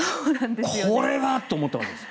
これは！と思ったわけですね。